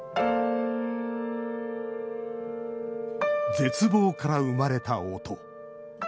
「絶望から生まれた“音”」。